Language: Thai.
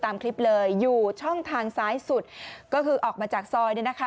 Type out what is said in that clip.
ตามคลิปเลยอยู่ช่องทางซ้ายสุดก็คือออกมาจากซอย